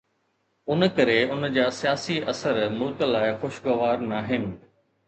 ان ڪري ان جا سياسي اثر ملڪ لاءِ خوشگوار ناهن.